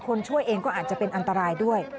ช่วยเองก็อาจจะเป็นอันตรายด้วย